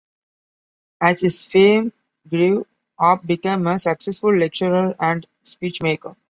As his fame grew, Arp became a successful lecturer and speechmaker.